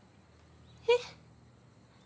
えっ？